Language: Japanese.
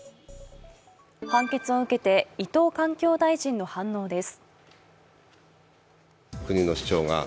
判決を受けて伊藤環境大臣の反応です。